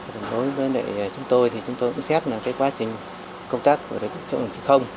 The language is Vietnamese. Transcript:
đối với chúng tôi thì chúng tôi cũng xét là quá trình công tác của đồng chí không